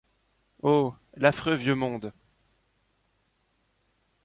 Oh ! l’affreux vieux monde !